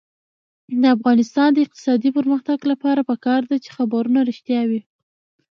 د افغانستان د اقتصادي پرمختګ لپاره پکار ده چې خبرونه رښتیا وي.